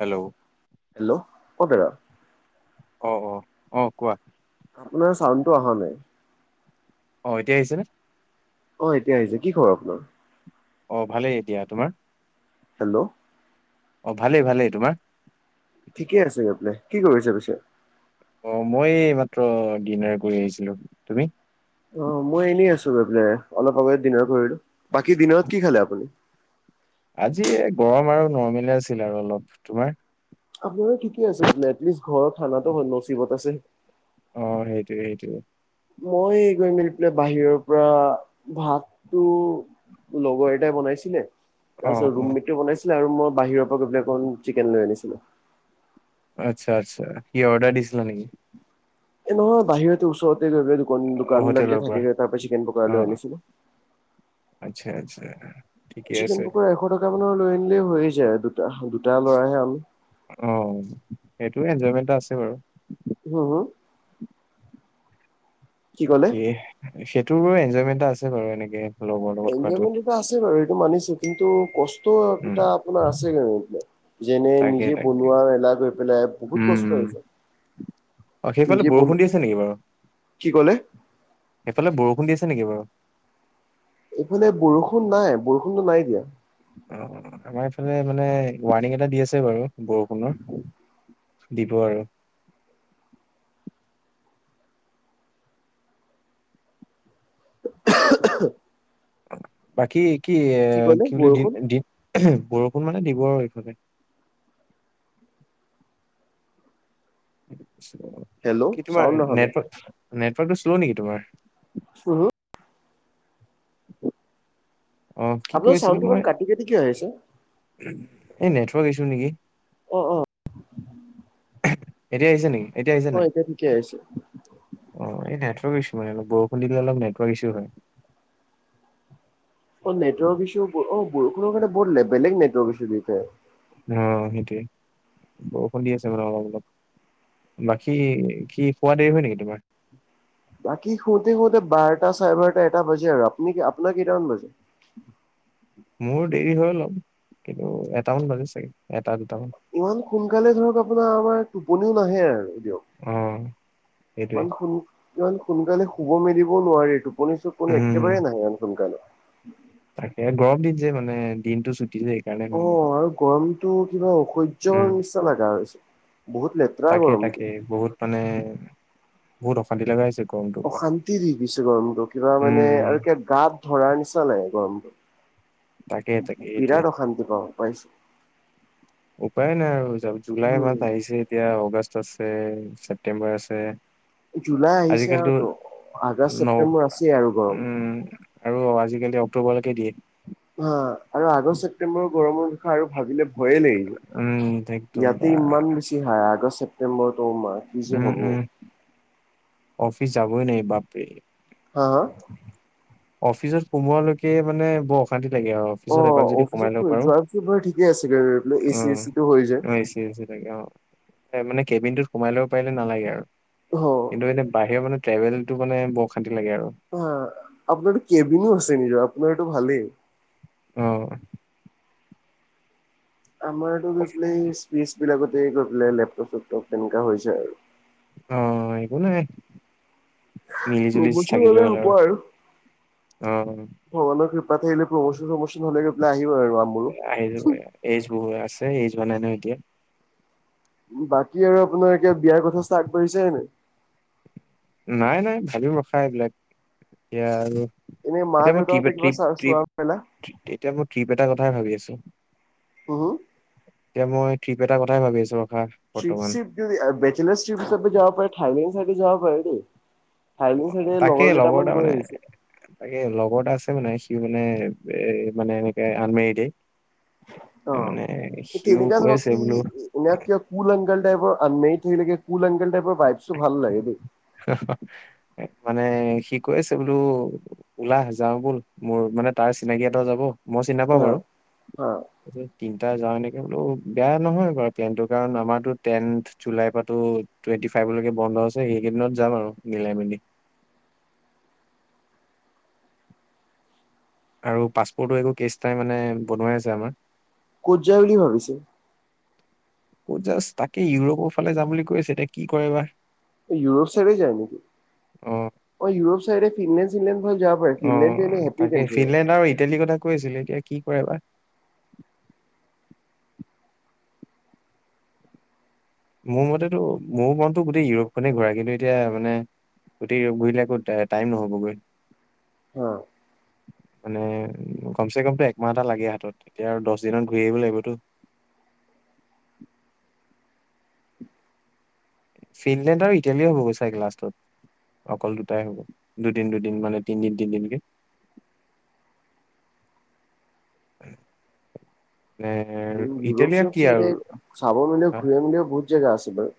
Hello? Hello, কওঁক দাদা। অ' অ 'অ কোৱা। আপোনাৰ চাউডটো অহা নাই। অ এতিয়া আহিছে নে? অ এতিয়া আহিছে, কি খবৰ আপোনাৰ? অ ভালেই দিয়া তোমাৰ? হেল্ল'? অ ভালেই ভালেই তোমাৰ? ঠিকে আছে গৈ পেলাই, কি কৰিছে পিছে? অ মই এই মাত্ৰ ডিনাৰ কৰি আহিছিলো, তুমি? অ মই এনেই আছো গৈ পেলাই, অলপ আগত ডিনাৰ কৰিলো, বাকী ডিনাৰত কি খালে আপুনি? আজি গৰম আৰু নৰমেলে আছিল আৰু অলপ, তোমাৰ? আপোনাৰ ঠিকেই আছে তেন্তে, এটলিষ্ট ঘৰৰ খানাতো নচিবত আছে। অ সেইটোৱে সেইটোৱে। মই এই গৈ মেলি পেলাই বাহিৰৰ পৰা ভাতটো লগৰ এটাই বনাইছিলে। তাৰ অ পিছত অ ৰুম মেটটোয়ে বনাইছিলে, আৰু মই বাহিৰৰ পৰা গৈ পেলে অকণ চিকেন লৈ আনিছিলো। আচ্ছা, আচ্ছা সি অৰ্ডাৰ দিছিলা নিকি? এই নহয় বাহিৰতে ওচৰতে গৈ পেলাই দোকান অ দোকান বিলাক যে হোটেলৰ পৰা থাকে, তাৰ পাই চিকেন পকৰা অ লৈ আনিছিলো। আচ্ছা, আচ্ছা। ঠিকে চিকেন আছে পকৰা এশ টকা মানৰ লৈ আনিলে হৈয়ে যায়, দুটা দুটা লৰাহে আমি। অ এইটো এনজয়মেণ্ট এটা আছে বাৰু। হো হো। কি ক'লে বাকী, সেইটোৰ এনজয়মেন্ট এটা আছে বাৰু এনেকে। লগৰ লগত খোৱাটো এনজয়মেট এটা আছে বাৰু সটো মানিছো কিন্তু উম কষ্টটা আপোনাৰ আছে যেনে তাকে নিজে তাকে বনোৱা মেলা গৈ পেলাই বহুত উম উম কষ্ট হৈছে অ সেইফালে নিজে বলো বৰষুণ দি আছে নেকি কি কলে এইফালে বৰষুণ দিছে নেকি বাৰু এইফালে বৰষুণ নাই বৰষুণো নাই দিয়া অ আমাৰ এইফালে মানে ৱাৰ্ণিং এটা দি আছে বাৰু বৰষুণৰ দিব আৰু [unintelligible] বাকী কি এ ক'লে কি বুলি বৰষুণ দিন বৰষুণ মানে দিব আৰু এইফালে হেল্ল' [unintelligible] কি তোমাৰ চাউণ্ড অহা নাই নেটৱৰ্ক নেটৱৰ্কটো শ্ল' নেকি তোমাৰ উহু আহ কি আপোনাৰ কিকৈ ছিলো চাউণ্ডটো ইমান মই [unintelligible] কাটি কাটি কিয় আহিছে এই নেটৱৰ্ক ইছু নেকি অ অ এতিয়া আহিছে নেকি এতিয়া আহিছে অ নাই ঠিকে আহিছে অ এই নেৱৰ্ক ইছ্যু মানেলপ বৰষুণ দিলে অল নেটৱৰ্ক ইছ্যু হয় অ নেটৱৰ্ক ইছু অ কোনো কাৰণে ব বেলেগ নেটৱৰ্ক ইছু দিছে অ সেইটোৱে বৰষুণ দি আছে মানে অলপ অলপ বাকী কি খোৱা দেৰি হয় নেকি তোমাৰ বাকী শুওঁতে শুওঁতে বাৰটা চাৰে বাৰটা এটা বাজে আৰু আপুনি আপোনাৰ কেইটামান বাজে মোৰ দেৰি হৈ ল'ম, কিন্তু এটামান বাজি চাগে, এটা-দুটামান। ইমান সোনকালে, ধৰক, আপোনাৰ আমাৰ টোপনিও নাহে, আৰু অ'। দিয়ক। সেইটোৱে ইমান, ইমান সোনকালে শুব মেলিবও নোৱাৰি। টোপনি - চুপনি উম, একেবাৰে নাহে ইমান সোনকালে। তাকে, গৰম দিন যে, মানে, দিনটো চুটি যায়। অ', আৰু গৰমতটো কিবা অসহ্যৰ উম নিচিনা লগা হৈছে। বহুত লেতেৰা তাকে গৰম। তাকে বহুত মানে বহুত অশান্তি লগা হৈছে গৰমটো। অশান্তি দি দিছে গৰমটো, কিবা মানে, উম আৰু কিবা গাত ধৰাৰ নিচা লাগে গৰমটো। তাকে তাকে এইটোৱে বিৰাট অশান্তিকৰ পাইছোঁ। উপায় নাই আৰু। জুলাই মাহ আহিছে, এতিয়া আগষ্ট আছে, ছেপটেম্বৰ আছে। জুলাই আহিছে আজিকালিতো আৰুতো। আগষ্ট ন! ছেপ্টেম্বৰ আছেই আৰু গৰম। উম। আৰু আজিকালি অক্টোবৰলৈকে দিয়ে। হা, আৰু আগষ্ট-ছেপ্টেম্বৰৰ গৰমৰ বিষয়ে আৰু ভাবিলে ভয় লাগে দেই, উম একদম বা ইয়াতে ইমান বেছি হাই আগষ্ট - ছেপটেম্বৰটো [unintelligible] উম, উম, অফিচ যাবই নোৱাৰি, বাপৰে! হা, হা। অফিচত সোমোৱালৈকে মানে বৰ অশান্তি লাগে আৰু। অ অফিচত এপাক যদি সোমাই ল'ব অফিচত পাৰো যোৱাৰ পিছত, বাৰু, ঠিকে আছে, এই অ এচি এচিটো হৈ যায়। [unintelligible] অ', মানে কেবিনটোত সোমাই লওঁ পাৰিলে নালাগে আৰু, অ কিন্তু এনে বাহিৰ, মানে, ট্ৰেভেলটো, মানে, বৰ অশান্তি লাগে আৰু। হা, আপোনাৰটো কেবিনো আছে নিজৰ। আপোনাৰ এইটো ভালেই। অ'। আমাৰতো গৈ পেলাই এই স্পেচবিলাকতে গৈ পেলাই লেপটপ-চেপটপ তেনেকুৱা হৈছে আৰু। অঁ একো নাই। মিলি জুলি প্ৰমোচন থাকিল হলে হ'ল হ'ব আৰু, অঁ। ভগৱানৰ কৃপা থাকিলে, প্ৰমোচন প্ৰমোচন হ'লে এইফালে আহিব আৰু। আমোৰো আহি যাব, এইজ বহুত আছে। এইজ হোৱাই ন এতিয়া। বাকী আৰু আপোনাৰ এতিয়া বিয়াৰ কথা ষ্টাৰ্ট কৰিছে নে নাই? নাই নাই, ভাবিম ৰখা এইবিলাক এতিয়া আৰু। এনে মা এতিয়া মই ট্ৰিপ দেউতাহঁতে কিবা ট্ৰিপ ট্ৰিপ চোৱা মেলা? এতিয়া মই ট্ৰিপ এটা কথাই ভাবি আছো। হুম, হুম? এতিয়া মই ট্ৰিপ এটাৰ কথাই ভাবি আছো ৰখা ট্ৰিপ বৰ্তমান শ্ৰিপ যদি বেচেলাৰ ট্ৰিপ হিচাপে যাব পাৰি থাইলেণ্ড চাইডে যাব পাৰি দেই। থাইলেণ্ড চাইডে তাকে লগৰ এটা কেইটামান গৈ মানে আহিছে। তাকে লগৰ এটা আছে মানে সি মানে এ মানে এনেকে আনমেৰিডেই। অঁ তেনেকুৱা কৈ ধৰক আছে কি বোলো [unintelligible] কুল অংগল টাইপৰ আনমেইট লে কুলংগল টাইপৰ ভাইবটো ভাল লাগে দেই। মানে সি কৈছে বোলো ওলাহ যাওঁ বল, মোৰ মানে তাৰ চিনাকি এটা যাব মই চিনি নাপাওঁ বাৰু। অ'। তিনটা যাওঁ এনেকে বোলো বেয়া নহয় বাৰু প্লানটো কাৰণ আমাৰতো টেন জুলাইৰ পৰাটো টুৱেণ্টি ফাইভলৈকে বন্ধ আছে। সেইকেইদিনত যাম আৰু মিলাই মেলি। আৰু পাছপৰ্টো একো কেচ নাই মানে বনাই আছে আমাৰ। কত যায় বুলি ভাবিছে? কত যায় তাকে ইউৰোপৰ ফালে যাম বুলি কৈছে এতিয়া কি কৰে বা ইউৰোপ চাইড যায় নেকি? অ অ', ইউৰোপ চাইড ফিনলেণ্ড চিনলেণ্ড হৈ যা অ', তাকে, ফিনলেণ্ড আৰু ইটালীৰ কথা কৈ আছিল, এতিয়া কি কৰে বা। মোৰ মতেতো মোৰ মনতো গোটেই ইউৰোপ খনে ঘূৰা কিন্তু এতিয়া মানে। গোটেই ঘূৰিলে আকৌ টাইম নহ'বগৈ। অ। মানে কমচেকমটো একমাহ এটা লাগে হাতত, এতিয়া আৰু দহ দিনত ঘূৰি আহিব লাগিবতো। ফিনলেণ্ড আৰু ইটালীও হ'বগৈ চাগে লাষ্টত। অকল দুটাই হ'ব, দুদিন দুদিন মানে তিনিদিন তিনিদিনকে। নে ইউৰোপ চিইউৰোপ চাইডে চাব মেলিব আহ, ঘূৰিব মেলিব বহুত জেগা আছে বাৰু।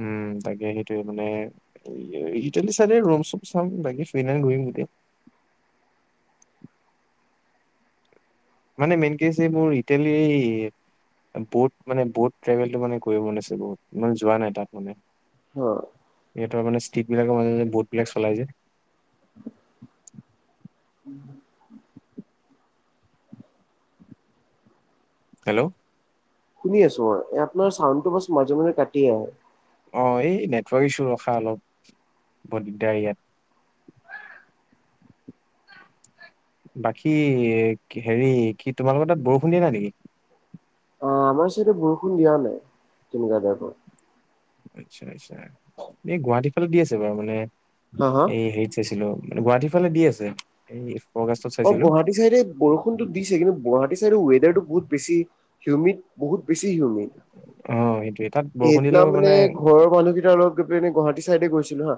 উম তাকে সেইটোয়ে মানে ইটালী চাইডে ৰোম চোম চাম বাকী চুইনলেনড ঘূৰিম গোতেই। মানে মেইনকে হৈছে মোৰ ইটালী ব'ট মানে ব'ট ট্ৰেভেলটো মানে কৰিব মন আছে বহুত, ইমান যোৱা নাই তাত মানে। অ। ইহঁতৰমানে ষ্ট্ৰীটবিলাকৰ মাজে মাজে ব'টবিলাক চলাই যে। হেল্ল'! শুনি আছো মই। এয়াত মানে চাউণ্ডটো বাচ মাজে মাজে কাটি আহে। অ এই নেটৱৰ্ক ইছু ৰখা অলপ বৰ দিগদাৰ ইয়াত। বাকী হেৰি কি তোমালোকৰ তাত বৰষুণ দিয়া নাই নেকি? অ আমাৰ চাইডে বৰষুণ দিয়া নাই তেনেকুৱা টাইপৰ। আচ্ছা আচ্ছা। এই গুৱাহাটীৰ ফালে দি আছে বাৰু মানে হা হা? এই হেৰিত গৈছিলো মানে গুৱাহাটীৰ ফালে দি আছে। এই স্পগা- অ' গুৱাহাটী চাইদে- বৰষুণতো দিছে, কিন্তু গুৱাহাটী চাইদে ৱেডাৰটো বহুত বেছি হিউমিড বহুত- বেছি হিউমিড। অঁ' সেইটোয়ে তাত- বৰষুণ সেইদিনা দিলেও মানে ঘৰৰ মানুহকেইটা অলপ গুৱাহাটী চাইডে গৈছিলো হাঁ-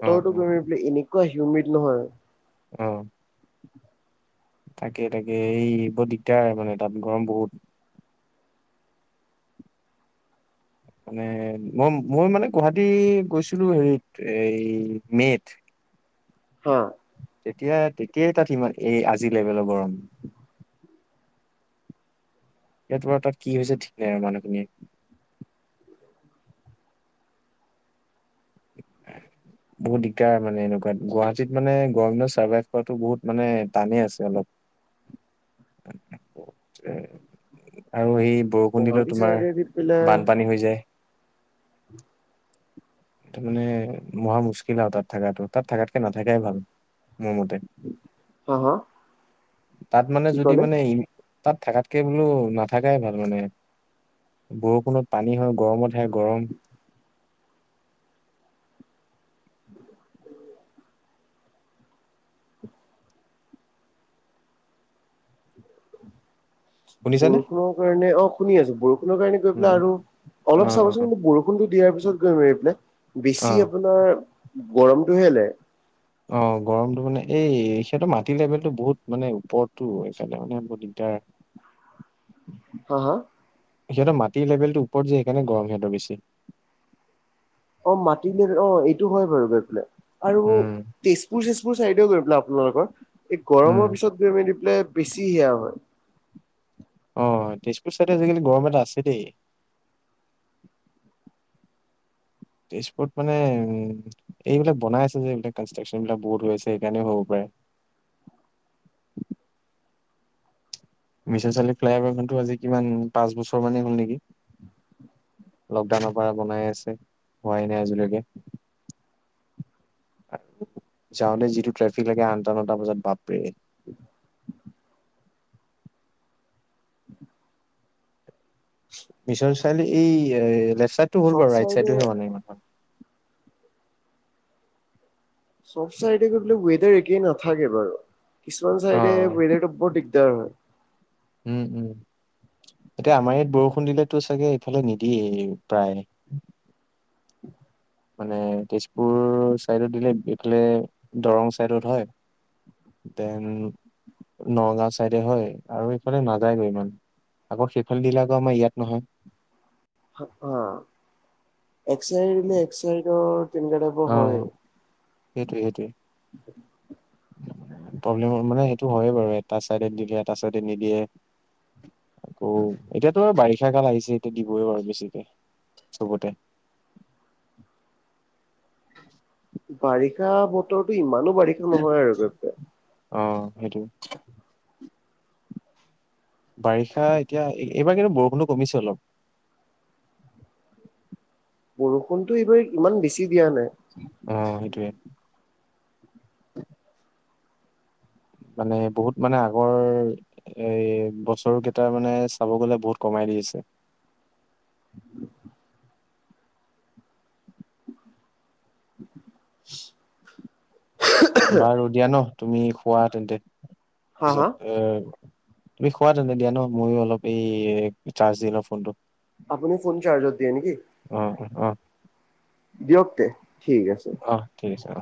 অ অ [unintelligible] এনেকুৱা হিউমিড নহয়। অঁ' তাকে তাকে, এই বৰ দিগদাৰ মানে তাত গৰম বহুত। মানে, মই মই মানে গুৱাহাটী গৈছিলো হেৰিত এই মে'ত। অঁ' তেতিয়া, তেতিয়াই তাত সিমান এই আজিৰ লেভেলৰ গৰম। এতিয়া টো আৰু তাত কি হৈছে ঠিক নাই আৰু মানুহখিনিৰ? [unintelligible] বহুত দিগদাৰ মানে এনেকুৱাত গুৱাহাটীত মানে গৰম দিনত ছাৰ্ভাইভ কৰাটো বহুত মানে টানেই আছে অলপ। [inaudible] আৰু এই- বৰষুণ দিলেও গুৱাহাটী তোমাৰ চাইডে দি পেলাই বানপানী হৈ যায়। তাৰ মানে মহা মুস্কিল আৰু তাত থকাটো, তাত থকাতকে নথকাই ভাল মোৰ মতে। হা হা, তাত মানে কি যদি ক'লে? মানে- তাত থকাতকে বোলো নাথাকাই ভাল মানে। বৰষুণত পানী হয় গৰমত সেয়া গৰম। [inaudible] [inaudible] শুনিছানে? বৰষুণৰ কাৰণে, অঁ শুনি আছো বৰষুণৰ কাৰণে গৈ উম পেলাই আৰু অ অলপ চাবাচোন কিন্তু বৰষ- ষুণটো দিয়াৰ পিছত গৈ এইপিলে অ অ বেছি আপোনাৰ গৰমটোহে ওলাই। অঁ' গৰমটো মানে এই সিহঁতৰ মাটি লেভেলটো বহুত মানে ওপৰত টো সেইকাৰণে মানে বহুত দিগদাৰ। হাঁ' হাঁ' সিহঁতৰ মাটি লেভেলটো ওপৰত যে সেইকাৰণে গৰম সিহঁতৰ বেছি। অঁ মাটিলে অঁ এইটো হয় বাৰু গৈ পেলাই আৰু- উম তেজপুৰ চেজপুৰ চাইডেও গৈ পেলাই আপোনালোকৰ এই উম, গৰমৰ পিছত গৈ মেলি পেলাই বেছি সেয়া হয়। অঁ তেজপুৰ চাইডে আজিকালি গৰম এটা আছে দেই। [inaudible] তেজপুৰত মানে উম'- এইবিলাক বনাই আছে যে এইবিলাক কনষ্ট্ৰাকশ্যন বিলাক বহুত হৈ আছে সেইকাৰণে হ'ব পাৰে। মিছন চাৰিআলি ফ্লাইঅভাৰখনটো আজি কিমান পাঁচ বছৰ মানেই হ'ল নেকি? লকডাউনৰ পৰা বনাই আছে হোৱাই নাই আজিলৈকে। যাওঁতে যিটো ট্ৰেফিক লাগে আনটা নটা বজাত বাপৰে। মিশ্বন চাৰিআলি এই এ লেফ্ট চাইডটো হ'ল চব বাৰু ৰাইট চাইডে চাইডটো হে হোৱা নাই ইমান মানে। চব চাইডে গৈ পেলাই ৱেডাৰ একেই নাথাকে বাৰু কিছুমান চাইডে অ'। ৱেডাৰটো- বহুত দিগদাৰ হয়। উম উম' এতিয়া আমাৰ ইয়াত বৰষুণ দিলেতো চাগে এইফালে নিদিয়ে প্ৰায়। মানে তেজপুৰ চাইডত দিলে এইফালে দৰং চাইডত হয়- দেন নগাঁও চাইডে হয় আৰু এইফালে নাযায়গৈ ইমান। আকৌ সেইফাল দিলে আকৌ আমাৰ ইয়াত নহয়। [unintelligible] এক্সাৰ দিলে এক্সাৰটো তেনেকুৱা টাইপৰ হয়। সেইটোৱে সেইটোৱে। প্ৰব্লেম মানে সেইটো হয়ে বাৰু এটা চাইডে দিয়ে এটা চাইডে নিদিয়ে। আকৌ এতিয়াতো বাৰিষা কাল আহিছে এতিয়া দিবই বাৰু বেছিকে চবতে। বাৰিষা বতৰটো ইমানো বাৰিষা নহয় আৰু [unintelligible] অ' সেইটো বাৰিষা এতিয়া, এইবাৰ কিন্তু বৰষুণো কমিছে অলপ। বৰষুণতো এইবাৰ ইমান বেছি দিয়া নাই। অ' সেইটোৱে। মানে বহুত মানে আগৰ এই বছৰ কেইটাৰ মানে চাব গ'লে বহুত কমাই দি আছে। [inaudible] [inaudible] বাৰু দিয়া ন' তুমি খোৱা তেন্তে, হা হা পিছত এ তুমি শুৱা তেন্তে দিয়া ন' ম‌ইও অলপ এই চাৰ্জ দি লওঁ ফোনটো। আপুনি ফোন চাৰ্জত দিয়ে নেকি? [unintelligible] দিয়ক তে ঠিক আছে। অ' ঠিক আছে অ'।